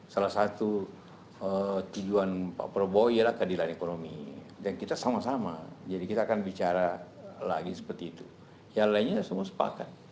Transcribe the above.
salah satu tujuan pak prabowo ialah keadilan ekonomi dan kita sama sama jadi kita akan bicara lagi seperti itu yang lainnya semua sepakat